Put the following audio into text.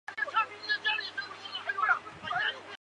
锦绣神须虫为叶须虫科双须虫属的动物。